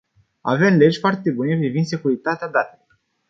Avem legi foarte bune privind securitatea datelor.